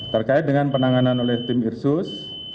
terkait dengan penanganan oleh tim ir sus